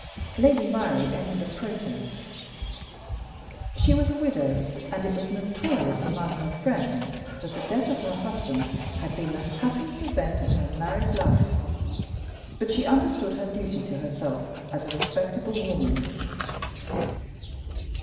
Lady Myrie entered a protest. She was a widow; and it was notorious among her friends that the death of her husband had been the happiest event in her married life. But she understood her duty to herself as a respectable woman.